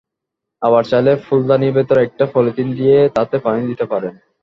আবার চাইলে ফুলদানির ভেতরে একটা পলিথিন দিয়ে তাতে পানি দিতে পারেন।